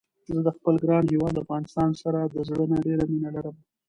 زه د خپل ګران هيواد افغانستان سره د زړه نه ډيره مينه لرم